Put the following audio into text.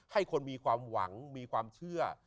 ให้คนมีความหวังมีความเชื่อ